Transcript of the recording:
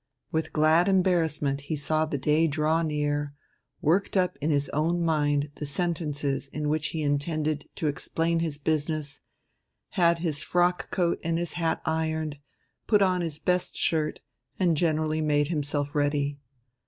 With glad embarrassment he saw the day draw near, worked up in his own mind the sentences in which he intended to explain his business, had his frock coat and his hat ironed, put on his best shirt, and generally made himself ready.